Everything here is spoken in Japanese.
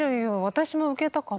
私も受けたかった。